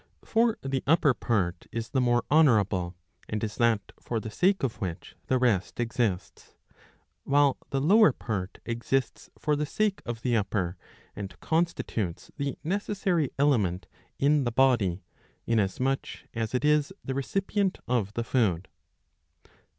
* For the upper part is the more^ honourable, and is that for the sake of which the rest exists ; while the lower part exists for the sake of the upper and constitutes the necessary element in the body, inasmuch as it is the recipient of the food.